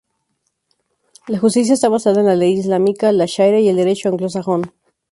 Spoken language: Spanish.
La justicia está basada en la ley islámica, la Sharia y el derecho anglosajón.